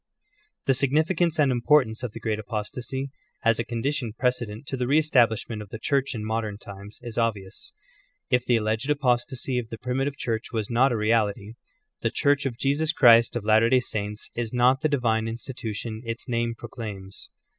The significance and importance of the great apostasy, as a condition precedent to the re establishment of the Church in modern times, is obvious. If the alleged apos tasy of the primitive Church was not a reality, the Church of Jesus Christ of Latter day Saints is not the divine in stitution its name proclaims.